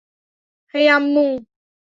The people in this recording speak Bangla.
হেই, আম্মু।